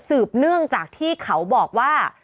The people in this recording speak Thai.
สืบเนื่องจากที่เขาบอกว่า